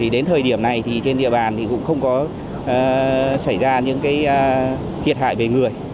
đến thời điểm này trên địa bàn cũng không có xảy ra những thiệt hại về người